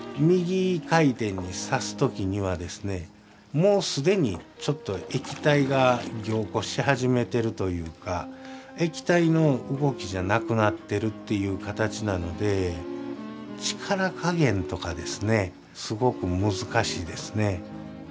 もう既にちょっと液体が凝固し始めてるというか液体の動きじゃなくなってるという形なので力加減とかですねすごく難しいですね。